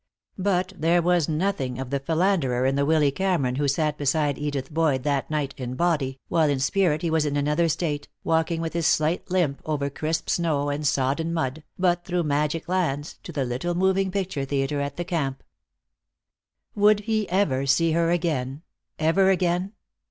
But there was nothing of the philanderer in the Willy Cameron who sat beside Edith Boyd that night in body, while in spirit he was in another state, walking with his slight limp over crisp snow and sodden mud, but through magic lands, to the little moving picture theater at the camp. Would he ever see her again? Ever again?